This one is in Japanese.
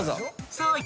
［さあ］